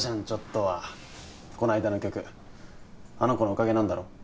ちょっとはこないだの曲あの子のおかげなんだろ？